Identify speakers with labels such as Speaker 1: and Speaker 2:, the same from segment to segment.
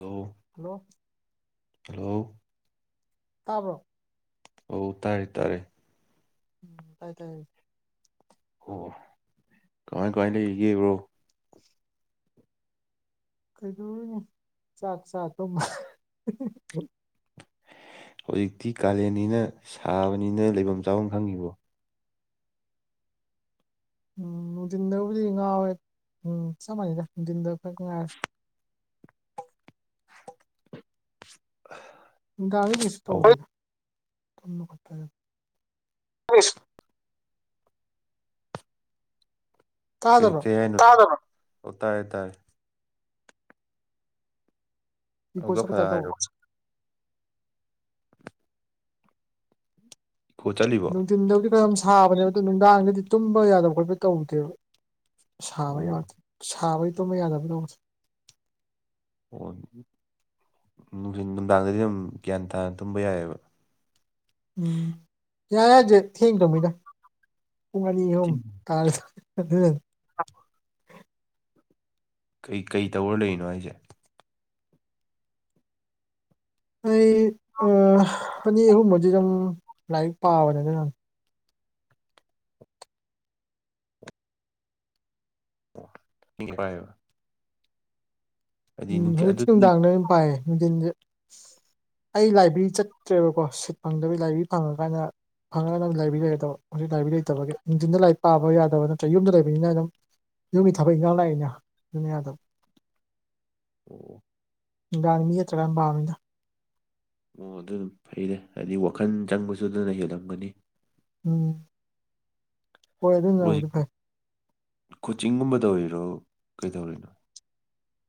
Speaker 1: ꯍꯥꯜꯂꯣ
Speaker 2: hello
Speaker 1: hello
Speaker 2: ꯇꯥꯕ꯭ꯔꯣ
Speaker 1: ꯑꯣ ꯇꯥꯔꯦ ꯇꯥꯔꯦ
Speaker 2: ꯎꯝ ꯇꯥꯏ ꯇꯥꯏ
Speaker 1: ꯑꯣ ꯀꯃꯥꯏ ꯀꯃꯥꯏ ꯂꯩꯔꯤꯒꯦ ꯕ꯭ꯔꯣ
Speaker 2: ꯀꯩꯗꯣꯏꯅ ꯆꯥꯛ ꯆꯥ ꯇꯨꯝꯕ
Speaker 1: ꯍꯧꯖꯤꯛꯇꯤ ꯀꯥꯂꯦꯟꯅꯤꯅ ꯁꯥꯕꯅꯤꯅ ꯂꯩꯐꯝ ꯆꯥꯐꯝ ꯈꯪꯗ꯭ꯔꯦ
Speaker 2: ꯎꯝ ꯅꯨꯡꯊꯤꯟꯗꯕꯨꯗꯤ ꯉꯥꯎꯋꯦ ꯎꯝ ꯆꯞ ꯃꯥꯟꯅꯩꯗ ꯅꯨꯡꯊꯤꯟꯗ ꯈꯔ ꯉꯥꯏꯔꯦ
Speaker 1: [unintelligible]
Speaker 2: ꯅꯨꯡꯗꯥꯡꯗꯗꯤ ꯀꯩꯁꯨ
Speaker 1: ꯑꯧ
Speaker 2: ꯇꯧꯗꯦꯗ
Speaker 1: ꯑꯩꯁ ꯀꯩ
Speaker 2: ꯇꯥꯗꯕ꯭ꯔꯣ
Speaker 1: ꯀꯩ ꯍꯥꯏꯅꯣ ꯑꯣ ꯇꯥꯔꯦ ꯇꯥꯔꯦ
Speaker 2: ꯏꯀꯣ
Speaker 1: ꯑꯗꯨꯒ
Speaker 2: ꯆꯠꯄꯩ
Speaker 1: ꯐꯠ
Speaker 2: ꯇꯥꯏꯞ ꯇꯧꯕ
Speaker 1: ꯍꯥꯢꯔꯛꯑꯣ ꯏꯀꯣ ꯆꯠꯂꯤꯕꯣ
Speaker 2: ꯅꯨꯡꯊꯤꯟꯗꯕꯨꯗꯤ ꯐꯅꯌꯥꯝ ꯁꯥꯕꯅꯦꯕꯗꯨ ꯅꯨꯡꯗꯥꯡꯗꯗꯤ ꯇꯨꯝꯕ ꯌꯥꯗꯕ ꯈꯣꯠꯄ ꯇꯧꯗꯦꯕ ꯁꯥꯕ
Speaker 1: ꯑꯣ
Speaker 2: ꯁꯥꯕꯩ ꯇꯨꯝꯕ ꯌꯥꯗꯕꯗꯣ
Speaker 1: ꯑꯣ ꯅꯨꯡꯗꯥꯡꯗꯗꯤ ꯑꯗꯨꯝ ꯒ꯭ꯌꯥꯟ ꯇꯥꯅ ꯇꯨꯝꯕ ꯌꯥꯏꯑꯦꯕ
Speaker 2: ꯎꯝ ꯌꯥꯥꯢ ꯍꯥꯢꯁꯦ ꯊꯦꯡ ꯇꯨꯝꯃꯤꯗ ꯄꯨꯡ ꯑꯅꯤ ꯑꯍꯨꯝ ꯇꯥꯔ ꯑꯗꯨꯅꯅꯦ
Speaker 1: ꯀꯩ ꯀꯩ ꯇꯧꯔ ꯂꯩꯔꯤꯅꯣ ꯍꯥꯢꯁꯦ
Speaker 2: ꯑꯩ ꯑꯅꯤ ꯑꯍꯨꯝꯗꯤ ꯑꯗꯨꯝ ꯂꯥꯏꯔꯤꯛ ꯄꯥꯕꯅꯦ ꯑꯗꯨꯅꯅꯦ
Speaker 1: ꯑꯣ ꯂꯥꯢꯔꯤꯛ ꯄꯥꯔꯤꯕ
Speaker 2: ꯎꯝ
Speaker 1: ꯅꯨꯡꯊꯤ ꯑꯗꯨ
Speaker 2: ꯍꯧꯖꯤꯛꯇꯤ
Speaker 1: ꯑꯣ
Speaker 2: ꯅꯨꯡꯗꯥꯡꯗ ꯑꯣꯏꯅ ꯄꯥꯏꯌꯦ ꯅꯨꯡꯊꯤꯟꯁꯦ ꯑꯩ ꯂꯥꯏꯕ꯭ꯔꯦꯔꯤ ꯆꯠꯇ꯭ꯔꯦꯕꯀꯣ ꯁꯤꯠ ꯐꯪꯗꯕꯒꯤ ꯂꯥꯏꯕ꯭ꯔꯦꯔꯤ ꯐꯪꯉꯀꯥꯟꯗ ꯐꯪꯉꯒ ꯅꯪ ꯂꯥꯏꯕꯦꯔꯤ ꯂꯩꯔꯗꯕ ꯍꯧꯖꯤꯛ ꯂꯥꯏꯕ꯭ꯔꯔꯤ ꯂꯩꯇꯕꯒꯤ ꯅꯨꯡꯊꯤꯟꯗ ꯂꯥꯏꯔꯤꯛ ꯄꯥꯕ ꯌꯥꯗꯕꯅ ꯌꯨꯝꯗ ꯂꯩꯕꯅꯤꯅ ꯑꯗꯨꯝ ꯌꯨꯝꯒꯤ ꯊꯕꯛ ꯏꯪꯈꯥꯡ ꯂꯥꯛꯏꯅ ꯑꯗꯨꯅ ꯌꯥꯗꯕ
Speaker 1: ꯑꯣ
Speaker 2: ꯅꯨꯡꯗꯥꯡ ꯃꯤ‌ ꯂꯩꯇ꯭ꯔꯀꯥꯟ ꯄꯥꯕꯅꯤꯗ
Speaker 1: ꯑꯣ ꯑꯗꯨꯅ ꯐꯩꯔꯦ ꯍꯥꯏꯗꯤ ꯋꯥꯈꯜ ꯆꯪꯕꯁꯨ ꯑꯗꯨꯅ ꯍꯦꯜꯂꯝꯒꯅꯤ
Speaker 2: ꯎꯝ ꯍꯣꯏ ꯑꯗꯨꯅꯕꯨꯗꯤ
Speaker 1: ꯍꯧꯖꯤꯛ
Speaker 2: ꯐꯩ
Speaker 1: ꯀꯣꯆꯤꯡꯒꯨꯝꯕ ꯇꯧꯔꯤꯔꯣ ꯀꯩꯗꯧꯔꯤꯅꯣ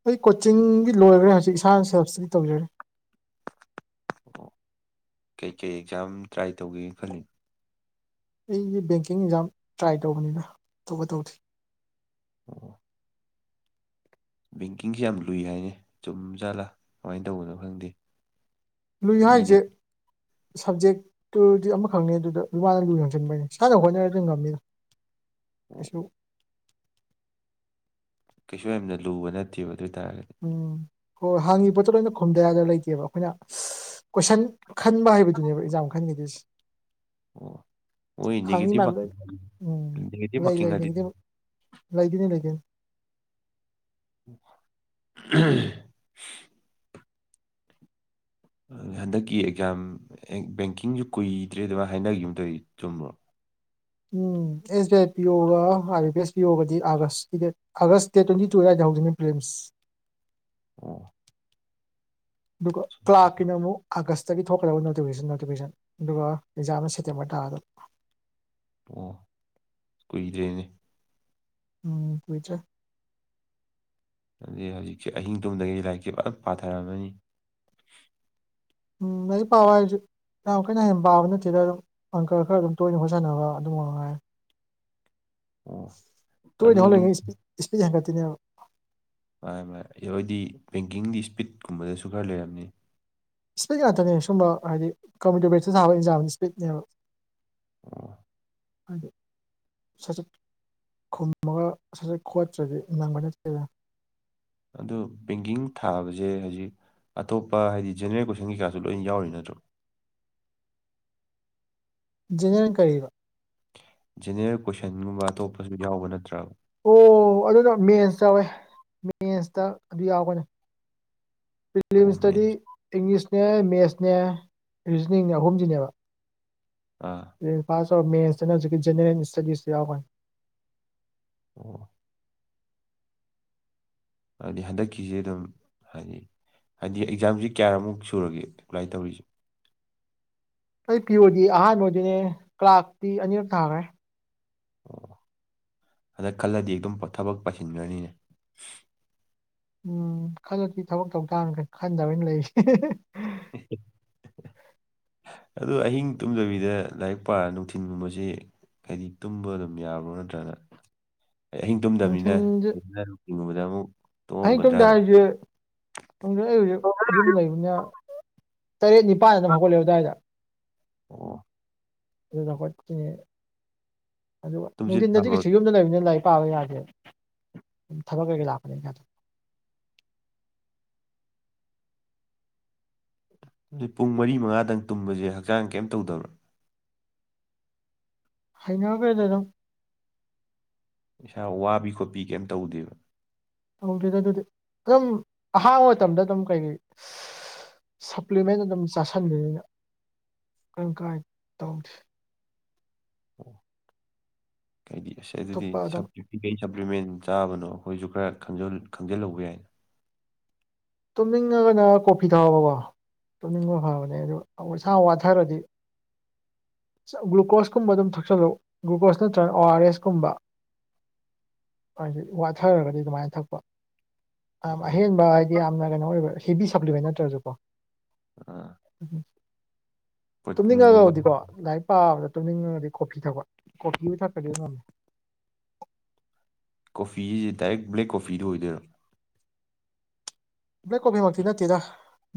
Speaker 2: ꯑꯩ ꯀꯣꯆꯤꯡꯒꯤ ꯂꯣꯏꯈ꯭ꯔꯦ ꯍꯧꯖꯤꯛ ꯏꯁꯥꯅ ꯁꯦꯜꯞ ꯏꯁꯇꯗꯤ ꯇꯧꯖꯔꯤ
Speaker 1: ꯑꯣ ꯀꯩꯀꯩ ꯑꯦꯛꯖꯥꯝ ꯇ꯭ꯔꯥꯏ ꯇꯧꯒꯦꯅ ꯈꯜꯂꯤꯅꯣ
Speaker 2: ꯑꯩꯁꯦ ꯕꯦꯡꯀꯤꯡ ꯑꯦꯛꯖꯥꯝ ꯇ꯭ꯔꯥꯏ ꯇꯧꯕꯅꯤꯗ ꯑꯇꯣꯞꯄ ꯇꯧꯗꯦ
Speaker 1: ꯑꯣ ꯕꯦꯡꯀꯤꯡꯁꯤ ꯌꯥꯝ ꯂꯨꯏ ꯍꯥꯏꯅꯦ ꯆꯨꯝꯖꯥꯠꯂꯥ ꯀꯃꯥꯏꯅ ꯇꯧꯕꯅꯣ ꯈꯪꯗꯦ
Speaker 2: ꯅꯣꯏ
Speaker 1: ꯃꯤꯅ
Speaker 2: ꯍꯥꯏꯁꯦ ꯁꯞꯖꯦꯛꯇꯨꯗꯤ ꯑꯃꯈꯛꯅꯤ ꯑꯗꯨꯗ [unintelligible] ꯏꯁꯥꯅ ꯍꯣꯠꯅꯔꯗꯤ ꯉꯝꯅꯤꯗ
Speaker 1: ꯑꯣ
Speaker 2: ꯀꯩꯁꯨ
Speaker 1: ꯀꯩꯁꯨ ꯌꯥꯝꯅ ꯂꯨꯕ ꯅꯠꯇꯦꯕ ꯑꯗꯨ ꯑꯣꯏꯇꯥꯔꯒꯗꯤ
Speaker 2: ꯎꯝ ꯍꯣꯏ ꯍꯥꯡꯉꯤ ꯄꯣꯠꯇꯣ ꯂꯣꯏꯅ ꯈꯨꯨꯝꯗꯌꯥꯗ ꯂꯩꯇꯦꯕ ꯑꯩꯈꯣꯏꯅ ꯀꯣꯏꯁꯟ ꯈꯟꯕ ꯍꯩꯕꯗꯨꯅꯦꯕ ꯑꯦꯛꯖꯥꯝ ꯈꯟꯈꯤꯗꯣꯏꯁꯦ
Speaker 1: ꯑꯣ ꯃꯣꯏ
Speaker 2: ꯍꯪꯉꯤ
Speaker 1: ꯅꯦꯒꯦꯇꯤꯞ
Speaker 2: ꯃꯌꯥꯝꯗꯨꯗꯩ ꯎꯝ
Speaker 1: ꯅꯦꯒꯦꯇꯤꯞ
Speaker 2: ꯂꯩ
Speaker 1: ꯃꯥꯔꯀꯤꯡ
Speaker 2: ꯂꯩ
Speaker 1: ꯍꯥꯏꯗꯤ
Speaker 2: ꯅꯦꯒꯦꯇꯤꯚ ꯂꯩꯗꯣꯏꯅꯦ ꯂꯩꯗꯣꯏꯅꯦ
Speaker 1: [unintelligible] [inaudible] ꯍꯟꯗꯛꯀꯤ ꯑꯦꯛꯖꯥꯝ ꯕꯦꯡꯀꯤꯡꯁꯨ ꯀꯨꯏꯗ꯭ꯔꯦ ꯑꯗꯨꯃꯥꯏ ꯍꯥꯏꯅꯈꯤꯒꯨꯝ ꯇꯧꯏ ꯆꯨꯝꯕ꯭ꯔꯣ
Speaker 2: ꯎꯝ ꯑꯦꯁ ꯕꯤ ꯑꯥꯏ ꯄꯤ ꯑꯣꯒ I B B S P ꯑꯣꯒꯗꯤ ꯑꯥꯒꯁꯀꯤ date August date twenty two ꯑꯗꯨꯋꯥꯏꯗꯩ ꯍꯧꯗꯣꯏꯅꯦ ꯄ꯭ꯔꯤꯝꯁ
Speaker 1: ꯑꯣ
Speaker 2: ꯑꯗꯨꯒ ꯀ꯭ꯂꯥꯛꯀꯤꯅ ꯑꯃꯨꯛ ꯑꯥꯒꯁ ꯑꯥꯒꯁꯇꯒꯤ ꯊꯣꯛꯀꯗꯕ ꯅꯣꯇꯤꯐꯤꯀꯦꯁꯟ ꯅꯣꯇꯤꯐꯤꯀꯦꯁꯟ ꯑꯗꯨꯒ ꯑꯦꯛꯖꯥꯝꯅ ꯁꯦꯞꯇꯦꯝꯕꯔ ꯇꯥꯗꯣꯏꯕ
Speaker 1: ꯑꯣ ꯀꯨꯏꯗ꯭ꯔꯦꯅꯦ
Speaker 2: ꯎꯝ ꯀꯨꯏꯗ꯭ꯔꯦ
Speaker 1: ꯑꯗꯨꯗꯤ ꯍꯧꯖꯤꯛꯁꯦ ꯑꯍꯤꯡ ꯇꯨꯝꯗꯒꯩ ꯂꯥꯏꯔꯤꯛꯁꯦ ꯐꯖꯅ ꯄꯥꯊꯔꯝꯃꯅꯤ
Speaker 2: ꯎꯝ ꯂꯥꯏꯔꯤꯛ‌ ꯄꯥꯎ ꯍꯥꯏꯕꯖꯤ ꯌꯥꯝ ꯀꯟꯅ ꯍꯦꯟꯅ ꯄꯥꯕ ꯅꯠꯇꯦꯗ ꯑꯗꯨꯝ ꯑꯪꯀ ꯈꯔ ꯑꯗꯨꯝ ꯇꯣꯏꯅ ꯍꯣꯠ ꯁꯥꯟꯅꯕ ꯑꯗꯨ ꯃꯉꯥꯏꯔꯦ
Speaker 1: ꯑꯣ ꯑꯗꯨ
Speaker 2: ꯇꯣꯏꯅ
Speaker 1: ꯑꯗꯨꯝ
Speaker 2: ꯍꯣꯠꯂꯤꯈꯩ ꯏꯁ ꯏꯁꯄꯤꯠ ꯍꯦꯟꯀꯠꯇꯣꯏꯅꯦꯕ
Speaker 1: ꯃꯥꯥꯅꯤ ꯃꯥꯥꯅꯤ [unintelligible] ꯕꯦꯡꯀꯤꯡꯒꯤ ꯏꯁꯄꯤꯠꯀꯨꯝꯕꯗꯁꯨ ꯈꯔ ꯂꯩꯔꯝꯅꯤ
Speaker 2: ꯏꯁꯄꯤꯠ ꯉꯥꯛꯇꯅꯦ ꯁꯨꯝꯕ ꯍꯥꯏꯗꯤ ꯀꯝꯄ꯭ꯌꯨꯇꯔ ꯕꯦꯁꯤꯁꯇ ꯊꯕ ꯑꯦꯛꯖꯥꯝꯁꯤ ꯏꯁꯄꯤꯠꯅꯦꯕ
Speaker 1: ꯑꯣ
Speaker 2: ꯑꯗꯣ ꯁꯠꯆꯠ ꯈꯨꯝꯃꯒ ꯁꯠ ꯁꯠ ꯈꯣꯠꯇ꯭ꯔꯗꯤ ꯅꯪꯕ ꯅꯠꯇꯦꯗ
Speaker 1: ꯑꯗꯣ ꯕꯦꯡꯒꯤꯡ ꯊꯥꯕꯁꯦ ꯍꯧꯖꯤꯛ ꯑꯇꯣꯞꯄ ꯍꯥꯏꯗꯤ ꯖꯦꯅꯔꯦꯜ ꯀꯣꯏꯁꯟ ꯀꯩꯀꯥꯖꯨ ꯂꯣꯏ ꯌꯥꯎꯔꯤ ꯅꯠꯇ꯭ꯔꯣ
Speaker 2: ꯖꯦꯅꯔꯦꯜ ꯀꯔꯤꯕ
Speaker 1: ꯖꯦꯅꯔꯦꯜ ꯀꯣꯏꯁꯟꯒꯨꯝꯕ ꯑꯇꯣꯞꯄꯁꯨ ꯌꯥꯎꯕ ꯅꯠꯇ꯭ꯔꯕ
Speaker 2: ꯑꯣ ꯑꯗꯨꯅ ꯃꯦꯟꯁ ꯌꯥꯎꯋꯦ ꯃꯦꯟꯁꯇ ꯑꯗꯨ ꯌꯥꯎꯒꯅꯤ
Speaker 1: ꯑꯣ
Speaker 2: ꯄꯤꯂꯤꯝꯁꯇꯗꯤ
Speaker 1: ꯃꯦꯠꯁ
Speaker 2: ꯏꯪꯂꯤꯁꯅꯦ ꯃꯦꯠꯁꯅꯦ ꯔꯤꯖꯅꯤꯡꯅꯦ ꯑꯍꯨꯝꯖꯤꯅꯦꯕ
Speaker 1: ꯑꯥ꯫
Speaker 2: ꯄ꯭ꯔꯤ ꯄꯥꯁ ꯇꯧꯔ ꯃꯠꯁꯇꯅ ꯍꯧꯖꯤꯛꯀꯤ ꯖꯦꯅꯔꯦꯜ ꯏꯁꯇꯗꯤꯁꯇꯨ ꯌꯥꯎꯔꯛꯒꯅꯤ꯫
Speaker 1: ꯑꯣ꯫ ꯑꯗꯨꯗꯤ ꯍꯟꯗꯛꯀꯤꯖꯦ ꯑꯗꯨꯝ ꯍꯥꯏꯗꯤ ꯍꯥꯏꯗꯤ ꯑꯦꯛꯖꯥꯝꯖꯤ ꯀꯌꯥꯔꯛꯃꯨꯛ ꯁꯨꯔꯒꯦ ꯑꯦꯄ꯭ꯂꯥꯏ ꯇꯧꯔꯤꯁꯦ꯫
Speaker 2: ꯑꯩ ꯄꯤ ꯑꯣ ꯗꯤ ꯑꯍꯥꯟꯕ ꯑꯣꯏꯗꯨꯅꯦ ꯀ꯭ꯂꯥꯛꯇꯤ ꯑꯅꯤꯔꯛ ꯊꯥꯒ꯭ꯔꯦ꯫
Speaker 1: ꯑꯣ ꯍꯟꯗꯛ ꯈꯜꯂꯗꯤ ꯑꯗꯨꯝ ꯊꯕꯛ ꯄꯥꯏꯁꯤꯟꯒ꯭ꯔꯅꯤꯅꯦ꯫
Speaker 2: ꯎꯝ ꯈꯜꯂꯗꯤ ꯊꯕꯛ ꯇꯧꯇꯝꯃꯤ ꯀꯩꯅꯣ ꯈꯟꯗꯕꯩꯅꯤ ꯂꯩꯔꯤꯁꯦ꯫
Speaker 1: [inaudible] ꯑꯗꯨ ꯑꯍꯤꯡ ꯇꯨꯝꯗꯕꯤꯗ ꯂꯥꯏꯔꯤꯛ ꯄꯥꯔ ꯅꯨꯡꯊꯤꯟꯒꯨꯝꯕꯖꯤ_ _ ꯍꯥꯏꯗꯤ ꯇꯨꯝꯕ ꯑꯗꯨꯝ ꯌꯥꯕ꯭ꯔꯣ ꯅꯠꯇ꯭ꯔꯒꯅ_ _ ꯑꯍꯤꯡ ꯇꯨꯝꯗꯃꯤꯅ
Speaker 2: ꯅꯨꯡꯊꯤꯟꯁꯦ
Speaker 1: [unintelligible] ꯑꯃꯨꯛ ꯇꯨꯃꯝꯒꯗ꯭ꯔꯥꯅ꯫
Speaker 2: ꯈꯪꯗ꯭ꯔꯦ ꯑꯩ ꯍꯧꯖꯤꯛ ꯌꯨꯝ ꯂꯩꯕꯅꯤꯅ ꯇꯔꯦꯠ ꯅꯤꯄꯥꯟ ꯑꯗꯨꯝ ꯍꯧꯒꯠꯂꯦ ꯑꯗ꯭ꯨꯋꯥꯏꯗ꯫
Speaker 1: ꯑꯣ꯫
Speaker 2: ꯑꯗꯨ ꯈꯣꯏꯅꯤ ꯑꯗꯨꯒ
Speaker 1: ꯇꯨꯝꯁꯤꯠ
Speaker 2: ꯅꯨꯡꯗꯤꯟꯗꯗꯤ
Speaker 1: ꯐꯥꯕ꯭ꯔꯣ
Speaker 2: ꯀꯩꯁꯨ ꯌꯨꯝꯗ ꯂꯩꯕꯅꯤꯅ ꯂꯥꯏꯔꯤꯛ ꯄꯥꯕ ꯌꯥꯗꯦꯕ꯫ ꯊꯕꯛ ꯀꯩꯀꯩ ꯂꯥꯛꯄꯅꯤꯅ ꯌꯥꯗꯦ꯫
Speaker 1: ꯑꯗꯨ ꯄꯨꯡ ꯃꯔꯤ ꯃꯉꯥꯗꯪ ꯇꯨꯝꯕꯖꯦ ꯍꯛꯆꯥꯡ ꯀꯩꯝ ꯇꯧꯗꯕ꯭ꯔꯥ꯫
Speaker 2: ꯍꯩꯅꯒ꯭ꯔꯦꯗ ꯑꯗꯨꯝ꯫
Speaker 1: ꯏꯁꯥ ꯋꯥꯕꯤ ꯈꯣꯠꯄꯤ ꯀꯩꯝ ꯇꯧꯗꯦꯕ꯫
Speaker 2: ꯇꯧꯗꯦꯗ ꯑꯗꯨꯗꯤ ꯑꯗꯨꯝ ꯑꯍꯥꯡꯕ ꯃꯇꯝꯗ ꯑꯗꯨꯝ ꯀꯩꯀꯩ_ _ ꯁꯄ꯭ꯂꯤꯃꯦꯟ ꯑꯗꯨꯝ ꯆꯥꯥꯁꯟꯕꯅꯤꯅ ꯀꯔꯤꯝ ꯀꯥꯏꯗꯦ ꯇꯧꯗꯦ꯫
Speaker 1: ꯑꯣ ꯑꯩ ꯗꯤ ꯑꯁ ꯑꯗꯨꯗꯤ
Speaker 2: ꯑꯇꯣꯞꯄ ꯑꯗꯨꯝ
Speaker 1: ꯁꯄ꯭ꯂꯤ_ _ ꯀꯩ ꯀꯩ ꯁꯄ꯭ꯂꯤꯃꯦꯟ ꯆꯥꯕꯅꯣ ꯑꯩꯈꯣꯏꯖꯨ ꯈꯔꯈꯪꯖꯜ ꯈꯪꯖꯜꯍꯧꯕ ꯌꯥꯏꯅ꯫
Speaker 2: ꯇꯨꯝꯅꯤꯡꯉꯒꯅ ꯀꯣꯐꯤ ꯊꯥꯎꯑꯣꯀꯣ꯫ ꯇꯨꯝꯅꯤꯡꯕ ꯐꯕꯅꯦ ꯑꯗꯨ ꯏꯁꯥ ꯋꯥꯊꯔꯗꯤ_ _ ꯒ꯭ꯂꯨꯀꯣꯁꯀꯨꯝꯕ ꯑꯗꯨꯝ ꯊꯛꯆꯜꯂꯨ ꯒ꯭ꯂꯨꯀꯣꯁ ꯅꯠꯇ꯭ꯔꯒ ꯑꯣ ꯑꯥꯔ ꯑꯦꯁ ꯀꯨꯝꯕ꯫ ꯍꯥꯏꯗꯤ ꯋꯥꯊꯔꯒꯗꯤ ꯑꯗꯨꯃꯥꯏꯅ ꯊꯛꯄ ꯌꯥꯝ
Speaker 1: ꯑꯣ
Speaker 2: ꯑꯍꯦꯟꯕ ꯍꯥꯏꯗꯤ ꯌꯥꯝꯅ ꯀꯩꯅꯣ_ _ ꯑꯣꯏꯕ ꯍꯦꯕꯤ ꯁꯄ꯭ꯂꯤꯃꯦꯟ ꯅꯠꯇ꯭ꯔꯒꯖꯨ ꯀꯣ꯫
Speaker 1: ꯑꯥ꯫
Speaker 2: ꯎꯝ
Speaker 1: ꯄ꯭ꯔꯣꯇꯤꯟꯒꯨꯝꯕ
Speaker 2: ꯇꯨꯝꯅꯤꯡꯉꯒꯕꯨꯗꯤꯀꯣ ꯂꯥꯏꯔꯤꯛ_ _ ꯄꯥꯕꯗ ꯇꯨꯝꯅꯤꯡꯉꯒꯗꯤ ꯀꯣꯐꯤ ꯊꯛꯄ ꯀꯣꯐꯤꯕꯨ ꯊꯛꯈ꯭ꯗꯤ ꯉꯝꯃꯤ꯫
Speaker 1: ꯀꯣꯐꯤ ꯍꯥꯢꯖꯤ ꯗꯥꯏꯔꯦꯛ ꯕ꯭ꯂꯦꯛ ꯀꯣꯐꯤꯗꯨ ꯑꯣꯏꯗꯣꯏꯔꯣ꯫
Speaker 2: ꯕ꯭ꯂꯦꯛ ꯀꯣꯐꯤꯃꯛꯇꯤ ꯅꯠꯇꯦꯗ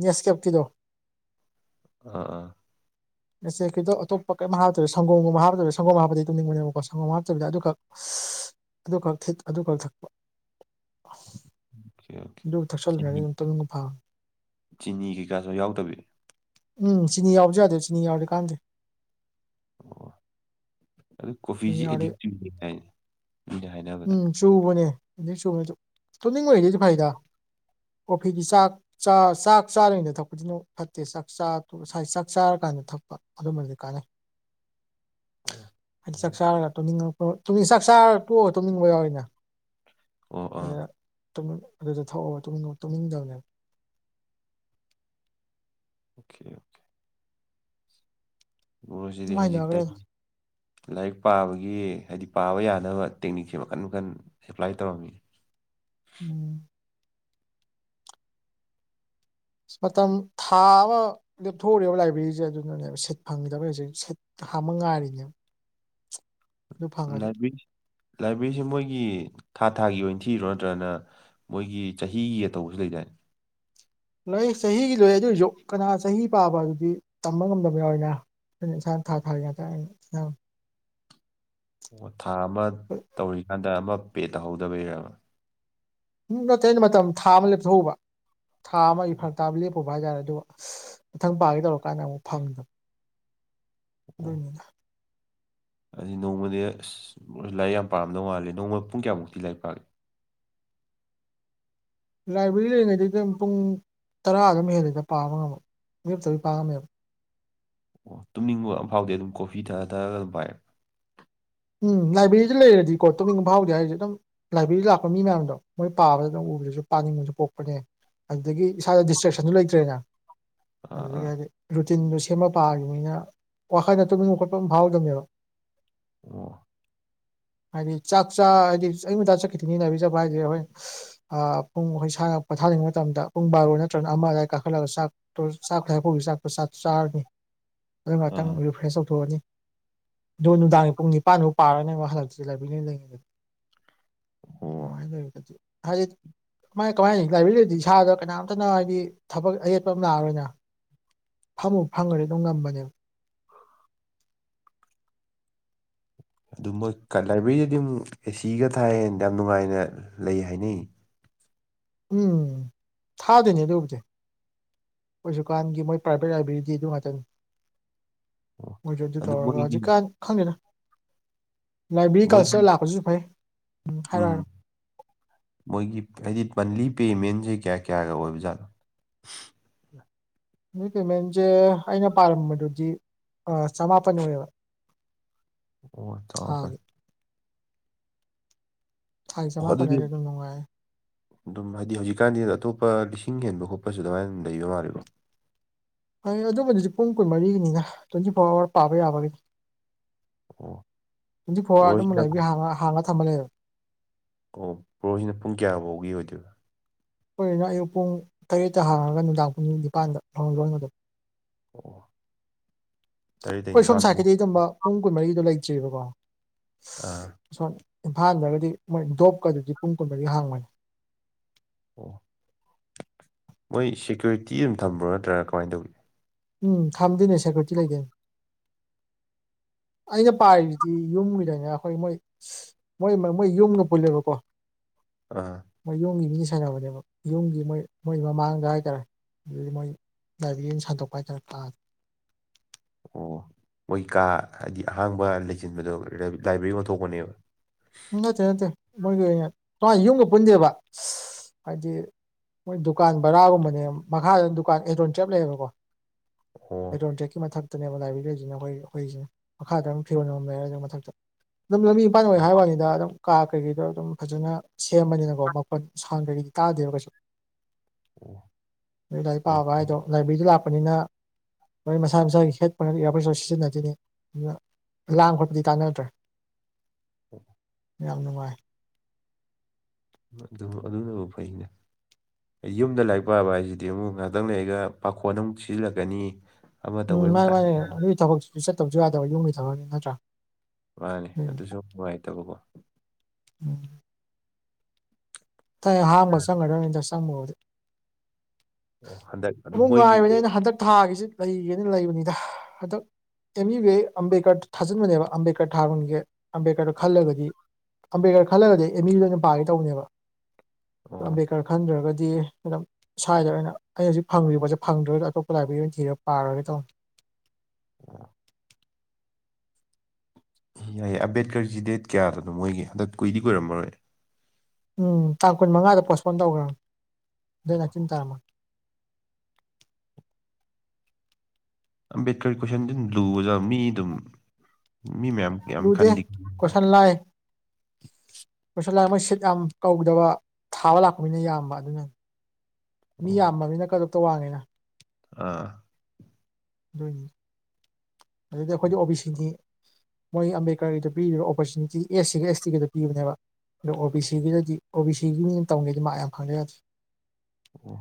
Speaker 2: ꯅꯦꯁ ꯀꯦꯞꯀꯤꯗꯣ꯫
Speaker 1: ꯑꯥ ꯑꯥ꯫
Speaker 2: ꯅꯦꯁꯀꯦꯄꯀꯤꯗꯣ ꯑꯇꯣꯞꯄ ꯀꯩꯝ ꯍꯥꯄꯇ꯭ꯔꯖꯨ ꯁꯪꯒꯣꯝꯒꯨꯝꯕ ꯍꯥꯄꯀꯗꯕꯅꯦ ꯁꯪꯣꯒꯣꯝꯒ ꯍꯥꯄꯗꯤ ꯇꯝꯅꯤꯡꯕꯅꯦꯕꯀꯣ ꯁꯪꯒꯣꯝ ꯍꯥꯄꯇꯕꯤꯗ ꯑꯗꯨꯈꯛ _ _
Speaker 1: [inaudible]
Speaker 2: ꯑꯗꯨꯈꯛ ꯊꯤꯠ ꯑꯗꯨꯈꯛ ꯊꯥꯛꯄ꯫
Speaker 1: ꯑꯣꯀꯦ ꯌꯥꯎꯗꯦ
Speaker 2: ꯑꯗꯨ ꯊꯛꯆꯜꯂꯨꯔꯗꯤ
Speaker 1: ꯆꯤꯅꯤ
Speaker 2: ꯑꯗꯨꯝ ꯇꯨꯝꯅꯤꯡꯕ ꯐꯕꯅꯤ
Speaker 1: ꯆꯤꯅꯤ ꯀꯩꯀꯥꯖꯨ ꯌꯥꯎꯗꯕꯤ꯫
Speaker 2: ꯎꯝ ꯆꯤꯅꯤ ꯌꯥꯎꯕꯖꯨ ꯌꯥꯗꯦ ꯆꯤꯅꯤ ꯌꯥꯎꯔꯗꯤ ꯀꯥꯟꯗꯦ꯫
Speaker 1: ꯑꯣ ꯑꯗꯨ
Speaker 2: ꯆꯤꯅꯤ
Speaker 1: ꯀꯣꯐꯤꯗꯦ
Speaker 2: ꯌꯥꯎꯔꯗꯤ
Speaker 1: ꯑꯗꯤꯛ ꯆꯨꯏꯌꯦꯗꯥꯏꯅꯦ ꯃꯤꯅ ꯍꯥꯏꯅꯕꯗ
Speaker 2: ꯎꯝ ꯆꯨꯕꯅꯦ ꯑꯦꯗꯤꯛ ꯆꯨꯕꯖꯨ ꯇꯨꯅꯤꯡꯕꯩꯗꯤ ꯐꯩꯗ꯫ ꯀꯣꯐꯤꯗꯤ ꯆꯥꯛ ꯆ ꯆꯥꯛ ꯆꯥꯔꯤꯉꯩꯗ ꯊꯛꯄꯁꯤꯅ ꯐꯠꯇꯦ ꯆꯥꯛ ꯆꯥ ꯇꯣꯛ_ _ ꯉꯁꯥꯏ ꯆꯥꯛ ꯆꯥꯔꯀꯥꯟꯗ ꯊꯛꯄ ꯑꯗꯨꯃꯗꯤ ꯀꯥꯟꯅꯩ꯫
Speaker 1: [inaudible]
Speaker 2: ꯍꯥꯏꯗꯤ ꯆꯥꯛ ꯆꯥꯔꯒ ꯇꯨꯝꯅꯤꯡꯉꯛꯄ ꯇꯨꯝꯅꯤꯡ ꯆꯥꯛ ꯆꯥꯔ ꯇꯣꯛꯑ ꯇꯨꯝꯅꯤꯡꯕ ꯌꯥꯎꯋꯤꯗꯅ꯫
Speaker 1: ꯑꯣ ꯑꯥ
Speaker 2: ꯑꯗꯨꯗ ꯑꯗꯨꯗ ꯊꯥꯛꯑꯣ ꯇꯨꯝꯅꯤꯡꯗꯕꯅꯦꯕ
Speaker 1: ꯑꯣꯀꯦ ꯑꯣꯀꯦ ꯕ꯭ꯔꯣꯁꯤꯗꯤ
Speaker 2: ꯑꯗꯨꯝ ꯍꯩꯅꯈ꯭ꯔꯦꯗ
Speaker 1: ꯍꯧꯖꯤꯛꯇꯅꯤ ꯂꯥꯏꯔꯤꯛ ꯄꯥꯕꯒꯤ ꯍꯥꯏꯗꯤ ꯄꯥꯕ ꯌꯥꯅꯕ ꯇꯦꯛꯅꯤꯛꯁꯦ ꯃꯈꯟ ꯃꯈꯟ ꯑꯦꯄ꯭ꯂꯥꯏ ꯇꯧꯔꯝꯃꯤꯅꯦ
Speaker 2: ꯎꯝ ꯃꯇꯝ ꯊꯥ ꯑꯃ ꯂꯦꯞꯊꯣꯛꯎꯔꯦꯕ ꯂꯥꯏꯕ꯭ꯔꯦꯔꯤꯁꯦ ꯑꯗꯨꯅꯅꯦꯕ ꯁꯤꯠ ꯐꯪꯈꯤꯗꯕ ꯍꯧꯖꯤꯛ ꯁꯤꯠ ꯍꯥꯡꯕ ꯉꯥꯏꯔꯤꯅꯦ
Speaker 1: ꯂꯥꯏꯕ꯭ꯔꯦꯔꯤ ꯂꯥꯏꯕ꯭ꯔꯦꯔꯤꯁꯦ ꯃꯣꯏꯒꯤ ꯊꯥ ꯊꯥꯒꯤ ꯑꯣꯏꯅ ꯊꯤꯔꯣ ꯅꯠꯇ꯭ꯔꯒꯅ ꯃꯣꯏꯒꯤ ꯆꯍꯤꯒꯤ ꯇꯧꯕꯁꯨ ꯂꯩꯗꯥꯏꯅꯦ
Speaker 2: ꯂꯩ ꯆꯍꯤꯒꯤ ꯂꯩ ꯑꯗꯨ ꯑꯣꯏꯔꯁꯨ ꯀꯅꯥ ꯆꯍꯤ ꯄꯥꯕ ꯑꯗꯨꯗꯤ ꯇꯝꯕ ꯉꯝꯗꯕ ꯌꯥꯎꯋꯤꯅ ꯑꯗꯨꯅ ꯢꯁꯅꯥ ꯊꯥ ꯊꯥꯒꯤ ꯌꯥꯎꯋꯤ
Speaker 1: ꯑꯣ ꯊꯥ ꯑꯃ ꯇꯧꯔꯤꯀꯥꯟꯗ ꯑꯃ ꯄꯦ ꯇꯧꯍꯧꯗꯕꯩꯔꯕ
Speaker 2: ꯎꯝ ꯅꯠꯇꯦ ꯑꯩꯅ ꯃꯇꯝ ꯊꯥ ꯑꯃ ꯂꯦꯞꯊꯣꯛꯎꯕ ꯊꯥ ꯑꯃ ꯐꯥꯔꯛ ꯇꯥꯕ ꯂꯞꯄ ꯎꯕ ꯍꯥꯏꯇꯥꯔꯦ ꯑꯗꯨ ꯃꯊꯪ ꯄꯥꯒꯦ ꯇꯧꯔꯀꯥꯟꯗ ꯑꯃꯨꯛ ꯐꯪꯗ
Speaker 1: ꯑꯣ
Speaker 2: ꯑꯗꯨꯢꯅꯤꯗ
Speaker 1: ꯑꯗꯨꯗꯤ ꯅꯣꯡꯃꯗꯤ ꯂꯥꯏꯔꯤꯛ ꯌꯥꯝ ꯄꯥꯔꯝꯗꯧ ꯃꯥꯜꯂꯦ ꯅꯣꯡꯃ ꯄꯨꯡ ꯀꯌꯥꯃꯨꯛꯇꯤ ꯂꯥꯏꯔꯤꯛ ꯄꯥꯒꯦ
Speaker 2: ꯂꯥꯏꯕ꯭ꯔꯦꯔꯤ ꯂꯩꯔꯤꯉꯩꯗ ꯑꯗꯨ ꯄꯨꯡ ꯇꯔꯥꯃꯨꯛ ꯍꯦꯜꯂꯤꯗ ꯄꯥꯕ ꯉꯝꯃꯦ ꯂꯦꯞꯇꯕꯤ ꯄꯥꯕ ꯉꯝꯃꯦꯕ
Speaker 1: ꯑꯣ ꯇꯨꯝꯅꯤꯡꯕ ꯑꯃ ꯐꯥꯎꯗꯦ ꯑꯗꯨꯝ ꯀꯣꯐꯤ ꯊꯛꯑ ꯊꯛꯑꯒ ꯑꯗꯨꯝ ꯄꯥꯏꯔꯦ
Speaker 2: ꯎꯝ ꯂꯥꯏꯕ꯭ꯔꯦꯔꯤꯗ ꯂꯩꯔꯗꯤꯀꯣ ꯇꯨꯝꯅꯤꯡꯕ ꯐꯥꯎꯗꯦ ꯍꯥꯏꯔꯤꯁꯦ ꯑꯗꯨꯝ ꯂꯥꯏꯕ꯭ꯔꯦꯔꯤ ꯂꯥꯛꯄ ꯃꯤ ꯃꯌꯥꯝꯗꯣ ꯃꯣꯏ ꯄꯥꯕꯗ ꯑꯗꯨ ꯎꯕꯗꯁꯨ ꯄꯥꯅꯤꯡꯕꯁꯨ ꯄꯣꯛꯄꯅꯦ ꯑꯗꯨꯗꯒꯤ ꯏꯁꯥꯗ ꯗꯤꯁꯇ꯭ꯔꯦꯛꯁꯟꯁꯨ ꯂꯩꯇ꯭ꯔꯦꯅ
Speaker 1: ꯑꯥ ꯑꯥ
Speaker 2: ꯑꯗꯨꯒꯗꯤ ꯔꯨꯇꯤꯟꯁꯨ ꯁꯦꯝꯃ ꯄꯥꯈꯤꯕꯅꯤꯅ ꯋꯥꯈꯜꯗ ꯇꯨꯅꯤꯡꯕ ꯈꯣꯠꯄ ꯑꯝꯇ ꯐꯥꯎꯗꯕꯅꯦꯕ
Speaker 1: ꯑꯣ
Speaker 2: ꯍꯥꯏꯗꯤ ꯆꯥꯛ ꯆꯥ ꯍꯥꯏꯗꯤ ꯑꯌꯨꯛ ꯆꯠꯈꯤꯗꯅꯤ ꯍꯥꯏꯗꯤ ꯑꯩ ꯍꯣꯔꯦꯟ ꯄꯨꯡ ꯑꯩꯈꯣꯏ ꯢꯁꯥ ꯉꯥꯛ ꯄꯣꯊꯥꯅꯤꯡꯕ ꯃꯇꯝꯗ ꯄꯨꯡ ꯕꯥꯔꯣ ꯅꯠꯇ꯭ꯔꯒꯅ ꯑꯃ ꯑꯗꯨꯋꯥꯏ ꯀꯥꯈꯠꯂꯒ ꯆꯥꯛ [unintelligible] ꯆꯥꯔꯅꯤ ꯑꯗꯨ ꯉꯍꯥꯛꯇꯪ
Speaker 1: ꯑꯥ
Speaker 2: ꯔꯤꯐ꯭ꯔꯦꯁ ꯇꯧꯊꯣꯛꯑꯅꯤ ꯑꯗꯨꯒ ꯅꯨꯡꯗꯥꯡꯒꯤ ꯑꯗꯨ ꯄꯥꯔꯅꯦꯕ ꯍꯜꯂꯛꯇ
Speaker 1: ꯑꯣ
Speaker 2: [unintelligible] ꯍꯥꯏꯗꯤ ꯀꯃꯥꯏ ꯀꯃꯥꯏꯅꯤ ꯂꯥꯏꯕ꯭ꯔꯦꯔꯤꯗꯗꯤ ꯏꯁꯥꯗ ꯀꯅꯥꯝꯇꯅ ꯍꯥꯏꯗꯤ ꯊꯕꯛ ꯑꯌꯦꯠꯄ ꯑꯝ ꯂꯥꯛꯑꯔꯣꯏꯅ ꯐꯪꯕꯨ ꯐꯪꯒ꯭ꯔꯗꯤ ꯑꯗꯨꯝ ꯉꯝꯕꯅꯦꯕ
Speaker 1: [inaudible] ꯑꯗꯨ ꯃꯣꯏ ꯂꯥꯏꯕ꯭ꯔꯦꯔꯤꯗꯗꯤ ꯑꯃꯨꯛ ꯑꯦ ꯁꯤꯒ ꯊꯥꯏ ꯌꯥꯝ ꯅꯨꯡꯉꯥꯏꯅ ꯂꯩ ꯍꯥꯏꯅꯩ
Speaker 2: ꯎꯝ ꯊꯥꯗꯣꯏꯅꯦ ꯑꯗꯨꯕꯨꯗꯤ ꯍꯧꯖꯤꯛꯀꯥꯟꯒꯤ ꯃꯣꯏ ꯄ꯭ꯔꯥꯏꯕꯦꯠ ꯂꯥꯏꯕ꯭ꯔꯦꯔꯤꯗꯤ ꯑꯗꯨ ꯉꯥꯛꯇꯅꯤ
Speaker 1: ꯑꯣ
Speaker 2: ꯃꯣꯏꯁꯨ ꯑꯗꯨ ꯇꯧꯔꯒ
Speaker 1: ꯃꯣꯏꯒꯤ
Speaker 2: ꯍꯧꯖꯤꯛ ꯀꯥꯟ ꯈꯪꯗꯦꯗ ꯂꯥꯏꯕ꯭ꯔꯦꯔꯤ
Speaker 1: ꯃꯣꯏꯒꯤ
Speaker 2: ꯀꯜꯆꯔ ꯂꯥꯛꯄꯁꯤꯁꯨ ꯐꯩ ꯍꯥꯏꯔꯣ
Speaker 1: ꯎꯝ
Speaker 2: ꯍꯥꯏꯔꯣ
Speaker 1: ꯃꯣꯏꯒꯤ ꯍꯥꯏꯗꯤ ꯃꯟꯂꯤ ꯄꯦꯃꯦꯟꯁꯦ ꯀꯌꯥ ꯀꯌꯥꯒ ꯑꯣꯏꯕꯖꯥꯠꯅꯣ
Speaker 2: ꯃꯥꯜꯃꯤ ꯄꯦꯃꯦꯟꯁꯦ ꯑꯩꯅ ꯄꯥꯔꯝꯕꯗꯨꯗꯤ ꯆꯃꯥꯄꯟ ꯑꯣꯏꯌꯦꯕ
Speaker 1: ꯑꯣ ꯆꯃꯥꯄꯟ
Speaker 2: ꯊꯥꯒꯤ ꯍꯊꯥꯒꯤ
Speaker 1: ꯑꯣ
Speaker 2: ꯆꯥꯃꯥꯄꯟ
Speaker 1: ꯑꯗꯨꯗꯤ
Speaker 2: ꯍꯥꯏꯁꯦ ꯑꯗꯨꯝ ꯅꯨꯡꯉꯥꯏꯌꯦ
Speaker 1: ꯑꯗꯨꯝ ꯍꯥꯏꯗꯤ ꯍꯧꯖꯤꯛꯀꯥꯟꯗꯤ ꯑꯇꯣꯞꯄ ꯂꯤꯁꯤꯡ ꯍꯦꯟꯕ ꯈꯣꯠꯄꯁꯨ ꯑꯗꯨꯃꯥꯏꯅ ꯂꯩꯕ ꯃꯥꯜꯂꯦꯒꯣ
Speaker 2: ꯍꯣꯏ ꯑꯗꯨꯝꯕꯗꯨꯗꯤ ꯄꯨꯡ ꯀꯨꯟꯃꯔꯤꯒꯤꯅꯤꯗ ꯇ꯭ꯋꯦꯟꯇꯤ ꯐꯣꯔ ꯑꯋꯥꯔ ꯄꯥꯕ ꯌꯥꯕꯒꯤꯅꯤ
Speaker 1: ꯑꯣ
Speaker 2: ꯇ꯭ꯋꯦꯟꯇꯤ ꯐꯣꯔ ꯑꯋꯥꯔꯗ ꯑꯗꯨꯝ
Speaker 1: ꯕ꯭ꯔꯣꯁꯤꯅ
Speaker 2: ꯂꯥꯢꯕꯔꯤꯔꯤ ꯍꯥꯡꯉ ꯊꯝꯕ ꯂꯩꯌꯦꯕ
Speaker 1: ꯑꯣ ꯕ꯭ꯔꯣꯁꯤꯅ ꯄꯨꯡ ꯀꯌꯥ ꯐꯥꯎꯒꯤ ꯑꯣꯏꯗꯣꯏꯕ
Speaker 2: ꯑꯩꯈꯣꯏꯅ ꯑꯌꯨꯛ ꯄꯨꯡ ꯇꯔꯦꯠꯇ ꯍꯥꯡꯉꯒ ꯅꯨꯡꯗꯥꯡ ꯄꯨꯡ ꯅꯤꯄꯥꯟꯗ ꯊꯣꯡ ꯂꯣꯟꯒꯗꯧꯕ
Speaker 1: ꯑꯣ ꯇꯔꯦꯠꯇꯩ
Speaker 2: ꯈꯣꯏ ꯁꯣꯝ
Speaker 1: ꯅꯤꯄꯥꯜꯐꯧ
Speaker 2: ꯁꯥꯏꯗꯀꯤꯗꯤ ꯗꯨꯝꯕ ꯄꯨꯡ ꯀꯨꯟ ꯃꯔꯤꯒꯤꯗꯣ ꯂꯩꯇ꯭ꯔꯤꯕꯀꯣ
Speaker 1: ꯑꯥ
Speaker 2: ꯑꯁꯣꯝ ꯏꯝꯐꯥꯜꯗꯒꯗꯤ ꯃꯣꯏ ꯗꯣꯞꯀꯗꯨꯗꯤ ꯄꯨꯡ ꯀꯨꯟꯃꯔꯤ ꯍꯥꯡꯕꯅꯦ
Speaker 1: ꯑꯣ ꯃꯣꯏ ꯁꯦꯀ꯭ꯌꯨꯔꯤꯇꯤ ꯑꯗꯨꯝ ꯊꯝꯕ꯭ꯔꯣ ꯅꯠꯇ꯭ꯔꯒ ꯀꯃꯥꯏꯅ ꯇꯧꯒꯦ
Speaker 2: ꯎꯝ ꯊꯝꯗꯣꯏꯅꯦ ꯁꯦꯀ꯭ꯌꯨꯔꯤꯇꯤ ꯂꯩꯗꯨꯏꯅꯦ ꯑꯩꯅ ꯄꯥꯏꯔꯤꯁꯤꯗꯤ ꯌꯨꯝꯒꯤꯗꯅꯦ ꯑꯩꯈꯣꯏ ꯃꯣꯏ ꯃꯣꯏ ꯃꯣꯏ ꯌꯨꯝꯒ ꯄꯨꯜꯂꯦꯕꯀꯣ
Speaker 1: ꯑꯥ
Speaker 2: ꯃꯣꯏ ꯌꯨꯝꯒꯤ ꯃꯤ ꯁꯦꯟꯅꯕꯅꯦꯕ ꯌꯨꯝꯒꯤ ꯃꯣꯏ ꯃꯣꯏ ꯃꯃꯥꯡꯗ ꯍꯥꯏꯇꯥꯔꯦ ꯑꯗꯨꯒꯤ ꯃꯣꯏ ꯥꯂꯥꯏꯕ꯭ꯔꯦꯔꯤ ꯑꯃ ꯁꯟꯗꯣꯛꯄ ꯍꯥꯏꯇꯥꯔꯦ
Speaker 1: ꯑꯣ ꯃꯣꯏ ꯀꯥ ꯍꯥꯏꯗꯤ ꯑꯍꯥꯡꯕ ꯂꯩꯁꯤꯟꯕꯗꯣ ꯂꯥꯏꯕ꯭ꯔꯦꯔꯤ ꯑꯣꯟꯊꯣꯛꯄꯅꯦꯕ
Speaker 2: ꯅꯠꯇꯦ ꯅꯠꯇꯦ ꯃꯣꯏꯒꯤ ꯑꯣꯏꯅ ꯃꯥ ꯌꯨꯝꯒ ꯄꯨꯟꯗꯦꯕ ꯍꯥꯏꯗꯤ ꯃꯣꯏ ꯗꯨꯀꯥꯟ ꯕꯔꯥꯒꯨꯝꯕꯅꯦ ꯃꯈꯥꯗ ꯗꯨꯀꯥꯟ ꯑꯦꯗꯣꯟ ꯇ꯭ꯔꯦꯠ ꯂꯩꯌꯦꯕꯀꯣ
Speaker 1: ꯑꯣ
Speaker 2: ꯑꯦꯖꯣꯜ ꯇ꯭ꯔꯦꯠꯀꯤ ꯃꯥꯊꯛ ꯅꯦꯕ ꯂꯥꯏꯕ꯭ꯔꯦꯔꯤ ꯂꯩꯁꯤꯅ ꯑꯩꯈꯣꯏ ꯑꯩꯈꯣꯏꯁꯤꯅ ꯃꯈꯥꯗ ꯑꯗꯨꯝ ꯐꯤꯔꯣꯟ ꯑꯃꯨꯛ ꯂꯩꯔꯦ ꯃꯊꯛꯇ ꯑꯗꯨꯝ ꯂꯝꯕꯤ ꯑꯣꯢ ꯍꯥꯢ ꯋꯥꯅꯤ ꯑꯗꯨꯝ ꯀꯥ ꯀꯩꯀꯥꯗꯣ ꯑꯗꯨꯝ ꯐꯖꯅ ꯁꯦꯝꯕꯅꯤꯅꯀꯣ ꯃꯈꯣꯟ ꯁꯥꯎꯟ ꯀꯩꯀꯥꯗꯤ ꯇꯥꯗꯦꯕ ꯀꯩꯁꯨ
Speaker 1: ꯑꯣ
Speaker 2: ꯅꯣꯏ ꯂꯥꯏꯔꯤꯛ
Speaker 1: ꯍꯣꯏ
Speaker 2: ꯄꯥꯕ ꯍꯥꯏꯗꯣ ꯂꯥꯏꯕ꯭ꯔꯦꯔꯤꯗ ꯂꯥꯛꯄꯅꯤꯅ ꯃꯣꯏ ꯃꯁꯥ ꯃꯁꯥꯒꯤ ꯍꯦꯠ ꯐꯣꯟ ꯏꯌꯥꯔꯕꯠꯁꯨ ꯁꯤꯖꯤꯟꯅꯗꯨꯢꯅꯤ ꯑꯗꯨꯅ ꯂꯥꯡ ꯈꯣꯠꯄꯗꯤ ꯇꯥꯟꯅꯗ꯭ꯔꯦ
Speaker 1: ꯑꯣ
Speaker 2: ꯌꯥꯝ ꯅꯨꯡꯉꯥꯏ
Speaker 1: ꯑꯗꯨ ꯑꯗꯨꯅꯕꯨ ꯐꯩꯅꯦ ꯌꯨꯝꯗ ꯂꯥꯏꯔꯤꯛ ꯄꯥꯕ ꯍꯥꯏꯁꯤꯗꯤ ꯑꯃꯨꯛ ꯉꯥꯏꯍꯥꯛꯇꯪ ꯂꯩꯔꯒ ꯄꯥꯈꯣꯜ ꯑꯃꯨꯛ ꯁꯤꯖꯤꯜꯂꯛꯀꯅꯤ ꯑꯃ
Speaker 2: ꯎꯝ
Speaker 1: ꯇꯧꯕꯩ ꯑꯃꯨꯛ
Speaker 2: ꯃꯥꯅꯦ
Speaker 1: ꯇꯥꯏ
Speaker 2: ꯃꯥꯅꯦ ꯑꯗꯨꯒꯤ ꯊꯕꯛꯁꯨ ꯆꯠꯇꯕꯁꯨ ꯌꯥꯗꯕ ꯌꯨꯝꯒꯤ ꯊꯕꯛꯅꯤ ꯅꯠꯇ꯭ꯔꯥ
Speaker 1: ꯃꯥꯅꯦ
Speaker 2: ꯎꯝ
Speaker 1: ꯑꯗꯨꯁꯨ ꯅꯨꯡꯉꯥꯏꯇꯕꯀꯣ
Speaker 2: ꯎꯝ ꯑꯩ ꯍꯥꯡꯕ ꯆꯪꯈꯔꯗꯧꯅꯤꯗ ꯆꯪꯕꯕꯨꯗꯤ
Speaker 1: ꯑꯣ ꯍꯟꯗꯛ ꯑꯗꯨ
Speaker 2: ꯑꯃꯨꯛ
Speaker 1: ꯃꯣꯏꯒꯤ
Speaker 2: ꯉꯥꯏꯕꯅꯦ ꯑꯩꯅ ꯍꯟꯗꯛ ꯊꯥꯒꯤꯁꯤ ꯂꯩꯒꯦꯅ ꯂꯩꯕꯅꯤꯗ ꯍꯟꯗꯛ M B B A Ambedkar ꯊꯥꯖꯤꯟꯕꯅꯦꯕ ꯑꯝꯕꯦꯗꯀꯔ ꯊꯥꯔꯨꯒꯦ ꯑꯝꯕꯦꯗꯀꯔ ꯈꯜꯂꯒꯗꯤ ꯑꯝꯕꯦꯗꯀꯔ ꯈꯜꯂꯒꯗꯤ ꯑꯦꯝ ꯌꯨꯗ ꯑꯣꯏꯅ ꯄꯥꯒꯦ ꯇꯧꯕꯅꯦꯕ
Speaker 1: ꯑꯣ
Speaker 2: ꯑꯝꯕꯦꯗꯀꯔ ꯈꯟꯗ꯭ꯔꯒꯗꯤ ꯑꯗꯨꯝ ꯁ꯭ꯋꯥꯏꯗ ꯑꯣꯏꯅ ꯑꯩꯩꯅ ꯍꯧꯖꯤꯛ ꯐꯪꯗ꯭ꯔꯤꯕ ꯄꯣꯠꯁꯦ ꯐꯪꯗ꯭ꯔꯒꯁꯨ ꯑꯇꯣꯞꯄ ꯂꯥꯏꯕ꯭ꯔꯦꯔꯤ ꯑꯣꯏꯅ ꯊꯤꯔ ꯄꯥꯔꯨꯔꯒꯦ ꯇꯧꯅꯦ
Speaker 1: ꯑꯝ ꯌꯥꯏꯌꯦ ꯑꯝꯕꯦꯗꯀꯔꯒꯤ ꯗꯦꯠ ꯀꯌꯥꯗꯅꯣ ꯃꯣꯏꯒꯤ ꯍꯟꯗꯛ ꯀꯨꯏꯗꯤ ꯀꯨꯔꯝꯃꯔꯣꯏ
Speaker 2: ꯎꯝ ꯇꯥꯡ ꯀꯨꯟ ꯃꯉꯥꯗ ꯄꯣꯁꯄꯣꯟ ꯇꯧꯒꯔꯕꯅꯦ ꯗꯦꯠ ꯅꯥꯏꯇꯤꯟꯗ ꯇꯥꯔꯝꯃꯣꯢ
Speaker 1: ꯑꯝꯕꯦꯗꯀꯔꯒꯤ ꯀꯣꯏꯁꯟꯗꯤ ꯑꯗꯨꯝ ꯂꯨꯕꯖꯠꯂꯣ ꯃꯤ ꯑꯗꯨꯝ ꯃꯤ ꯃꯌꯥꯝ ꯌꯥꯝ
Speaker 2: ꯂꯨꯗꯦ
Speaker 1: ꯈꯟꯗꯤ ꯈꯟ ꯃꯥꯂꯦ
Speaker 2: ꯀꯣꯏꯁꯟ ꯂꯥꯏ
Speaker 1: [inaudible]
Speaker 2: ꯀꯣꯏꯁꯟ ꯂꯥꯏ ꯃꯣꯏ ꯁꯤꯠ ꯌꯥꯝ ꯀꯧꯗꯕ ꯊꯥꯕ ꯂꯥꯛꯄ ꯃꯤꯅ ꯌꯥꯝꯕ ꯑꯗꯨꯅꯅꯦ ꯃꯤ
Speaker 1: ꯑꯣ
Speaker 2: ꯌꯥꯝꯃꯅꯤꯅ ꯀꯥꯠ ꯐꯣꯞꯇꯣ ꯋꯥꯡꯉꯦꯅ
Speaker 1: ꯑꯥ
Speaker 2: ꯑꯗꯨꯅꯤ ꯑꯗꯨꯗ ꯑꯩꯈꯣꯏꯗꯤ ꯑꯣ ꯕꯤ ꯁꯤꯅꯤ ꯃꯣꯏ ꯑꯝꯕꯦꯗꯀꯔꯒꯤꯗ ꯄꯤꯔꯤꯕ ꯑꯣꯄꯣꯔꯆꯨꯅꯤꯇꯤ ꯑꯦꯁ ꯁꯤꯒ ꯑꯦꯁ ꯇꯤꯒꯗ ꯄꯤꯕꯅꯦꯕ ꯑꯗꯣ ꯑꯣ ꯕꯤ ꯁꯤꯒꯤꯗꯗꯤ ꯑꯣ ꯕꯤ ꯁꯤꯒꯤꯅ ꯇꯝꯒꯦꯗꯤ ꯃꯥꯛ ꯌꯥꯝ ꯐꯪꯗ ꯌꯥꯗ꯭ꯔꯦ
Speaker 1: ꯑꯣ